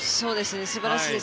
すばらしいです。